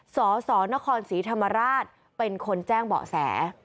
สสนครศรีธรรมราชเป็นคนแจ้งเบาะแส